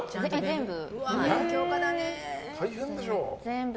全部？